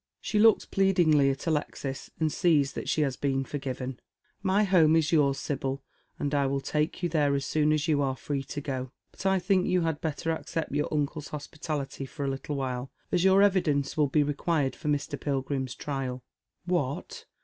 She looks pleadingly at Alexis, and sees that she has been forgiven. "My home is yours, Sibyl, and I will take you there as soon as you are free to go. But I think you had better accept your uncle's hospitality for a little while, as your evidence will ba required for Mr. Pilgrim's trial." " What